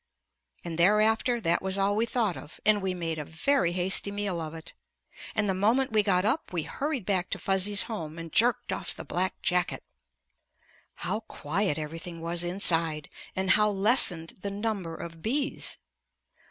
And thereafter that was all we thought of, and we made a very hasty meal of it. And the moment we got up we hurried back to Fuzzy's home and jerked off the black jacket. How quiet everything was inside. And how lessened the number of bees.